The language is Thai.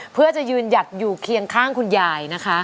เพื่อจะยืนหยัดอยู่เคียงข้างคุณยายนะคะ